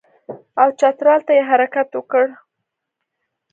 او چترال ته یې حرکت وکړ.